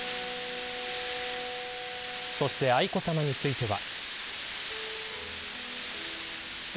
そして、愛子さまについては。